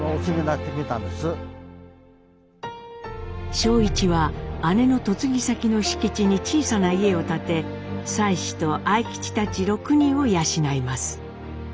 正一は姉の嫁ぎ先の敷地に小さな家を建て妻子と愛吉たち６人を養います。